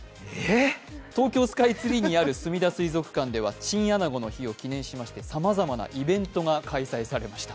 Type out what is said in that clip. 東京スカイツリーにあるすみだ水族館ではチンアナゴの日を記念して、さまざまなイベントが開催されました。